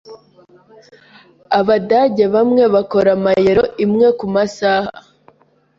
Abadage bamwe bakora amayero imwe kumasaha.